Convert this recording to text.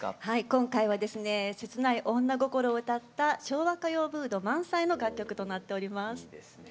今回はですね切ない女心を歌った昭和歌謡ムード満載の楽曲となっております。